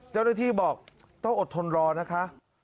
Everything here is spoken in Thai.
เจ้าหน้าที่บอกต้องอดทนรอนะคะ